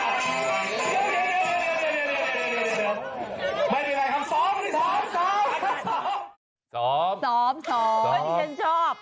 สอมสอมสอมสอมที่ฉันชอบ